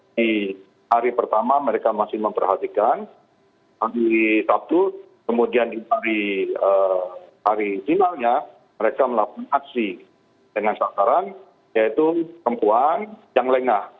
di hari pertama mereka masih memperhatikan hari sabtu kemudian di hari finalnya mereka melakukan aksi dengan sasaran yaitu perempuan yang lengah